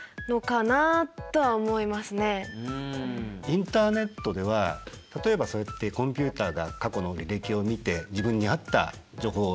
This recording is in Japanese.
インターネットでは例えばそうやってコンピューターが過去の履歴を見て自分に合った情報を流してくれる。